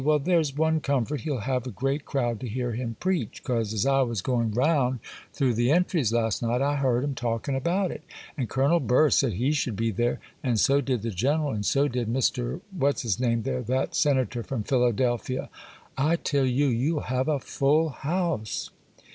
Well, there's one comfort, he'll have a great crowd to hear him preach, 'cause as I was going round through the entries last night, I heard 'em talking about it; and Colonel Burr said he should be there, and so did the General, and so did Mr. What's his name there, that senator from Philadelphia. I tell you you'll have a full house.